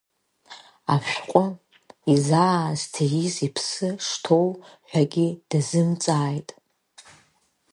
Ашәҟәы изаазҭииз иԥсы шԥаҭоу ҳәагьы дазымҵааит.